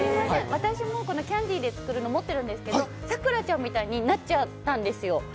私もキャンディーで作るの持ってるんですが咲楽ちゃんみたいになっちゃうんです。